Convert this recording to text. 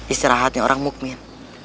istirahatnya orang mukmin